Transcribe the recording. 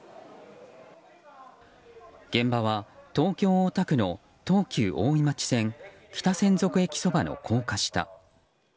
現場は、東京・大田区の東急大井町線北千束駅そばの高架下。